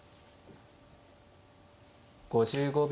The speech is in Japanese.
５５秒。